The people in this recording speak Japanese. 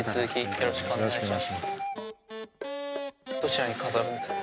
よろしくお願いします。